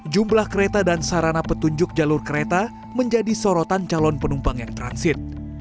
jumlah kereta dan sarana petunjuk jalur kereta menjadi sorotan calon penumpang yang transit